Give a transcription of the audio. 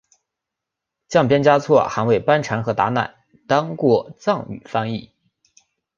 降边嘉措还为班禅和达赖当过藏语翻译。